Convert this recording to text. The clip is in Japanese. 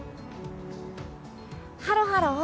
ハロハロ。